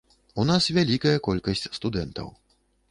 У нас вялікая колькасць студэнтаў.